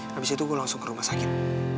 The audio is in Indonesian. habis itu gue langsung ke rumah sakit